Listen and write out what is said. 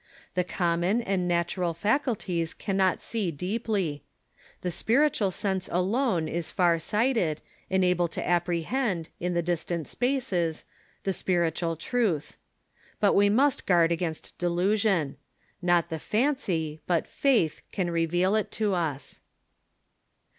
The common and natural faculties cannot see deeply. The spiritual sense alone is far sighted, and able to apprehend, in the distant spaces, the spir itual truth. But Ave must guard against delusion. Not the fancy, but faith, can reveal it to us.